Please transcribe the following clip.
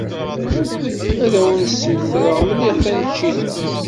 Ad awen-smetreɣ mliḥ taneččit-a.